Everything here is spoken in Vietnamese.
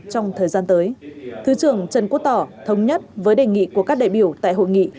trong thời gian tới thứ trưởng trần quốc tỏ thống nhất với đề nghị của các đại biểu tại hội nghị